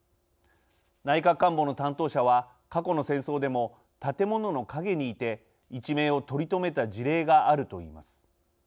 内閣官房の担当者は「過去の戦争でも建物の陰にいて一命を取り留めた事例がある」と言います。